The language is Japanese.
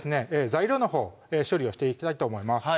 材料のほう処理をしていきたいと思います